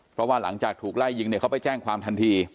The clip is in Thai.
เพราะว่าหลังจากถูกไล่ยิงเนี่ยเขาไปแจ้งความทันที